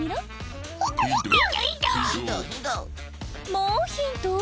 もうヒント！？